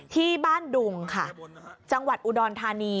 ที่บ้านดุงค่ะจังหวัดอุดรธานี